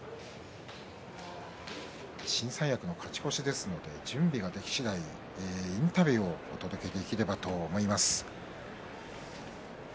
新三役の勝ち越しですので準備ができ次第、インタビューをお届けできればと思います。